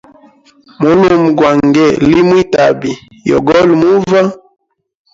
Mulume gwa ngee li mwi tabi yogoli muva.